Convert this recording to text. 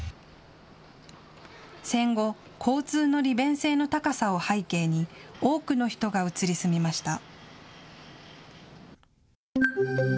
戦後、交通の利便性の高さを背景に多くの人が移り住みました。